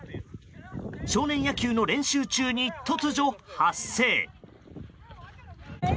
少年野球の練習中に突如発生。